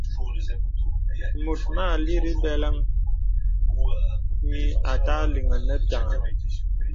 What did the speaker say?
Mùt mà àlìrī beləŋghi à tà àleŋ nə pīaŋha.